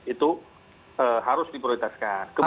itu harus diprioritaskan